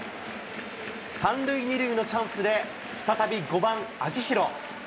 ３塁２塁のチャンスで、再び５番秋広。